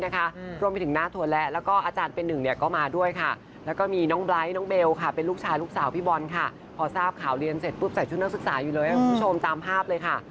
คือนักศึกษาอยู่เลยค่ะคุณผู้ชมตามภาพเลยค่ะ